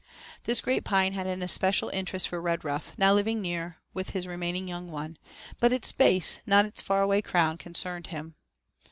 This great pine had an especial interest for Redruff, now living near with his remaining young one, but its base, not its far away crown, concerned him.